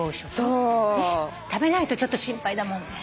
食べないとちょっと心配だもんね。